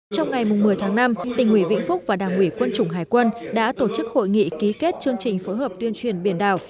trong ngày một mươi tháng năm tỉnh ủy vĩnh phúc và đảng ủy quân chủng hải quân đã tổ chức hội nghị ký kết chương trình phối hợp tuyên truyền biển đảo